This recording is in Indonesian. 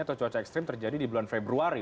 atau cuaca ekstrim terjadi di bulan februari